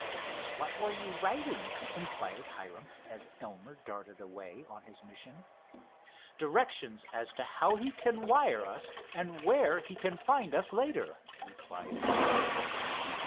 "What were you writing?" inquired Hiram, as Elmer darted away on his mission. "Directions as to how he can wire us and where he can find us later," replied our hero.